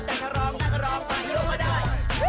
แต่ถ้าร้องก็ต้องร้องไปโลกก็ได้